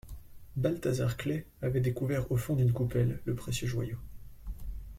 Balthazar Claës avait découvert au fond d'une coupelle, le précieux joyau.